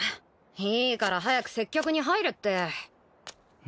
いいから早く接客に入れって。